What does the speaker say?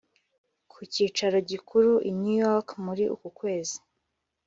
ku cyicaro gikuru i New York muri uku kwezi